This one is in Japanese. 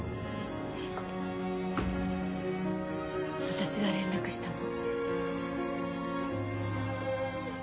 私が連絡したの。